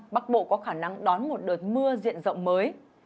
bắc bộ có khả năng đón một đợt mưa diện rộng mới